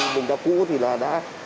mình đã cũ thì là đã